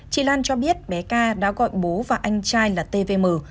chị lan cho biết bé k đã gọi bố và anh trai là tvm